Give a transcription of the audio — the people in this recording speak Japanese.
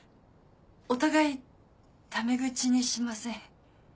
お互いため口にしません？